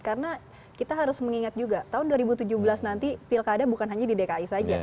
karena kita harus mengingat juga tahun dua ribu tujuh belas nanti pilkada bukan hanya di dki saja